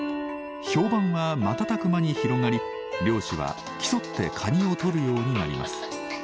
評判は瞬く間に広がり漁師は競ってカニを取るようになります。